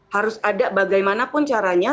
harus ada bagaimanapun caranya